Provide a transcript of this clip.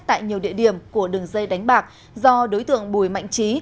tại nhiều địa điểm của đường dây đánh bạc do đối tượng bùi mạnh trí